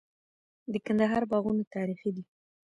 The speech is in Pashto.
د کندهار باغونه تاریخي دي.